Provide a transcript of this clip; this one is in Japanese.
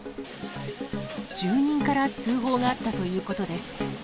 住人から通報があったということです。